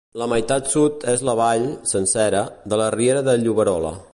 La meitat sud és la vall, sencera, de la Riera de Lloberola.